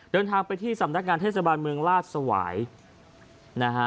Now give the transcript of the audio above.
เดินทางไปที่สำนักงานเทศบาลเมืองราชสวายนะฮะ